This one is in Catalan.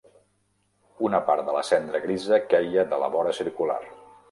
Una part de la cendra grisa queia de la vora circular.